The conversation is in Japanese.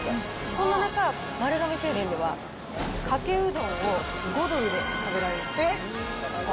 そんな中、丸亀製麺では、かけうどんを５ドルで食べられる。